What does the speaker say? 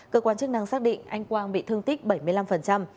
cơ quan chức năng xác định anh quang bị thương tích bảy mươi năm